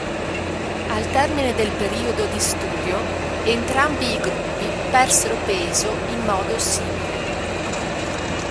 Al termine del periodo di studio entrambi i gruppi persero peso in modo simile.